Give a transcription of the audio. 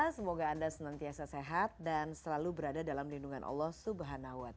semoga anda senantiasa sehat dan selalu berada dalam lindungan allah swt